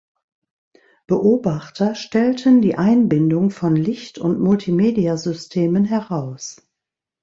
Beobachter stellten die Einbindung von Licht- und Multimedia-Systemen heraus.